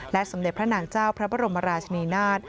สมเด็จพระนางเจ้าพระบรมราชนีนาฏ